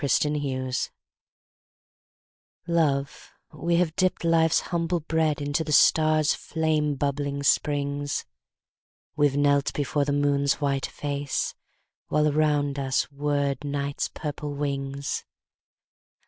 Transformation LOVE, we have dipped Life's humble breadInto the stars' flame bubbling springs; We've knelt before the Moon's white face, While around us whirred Night's purple wings.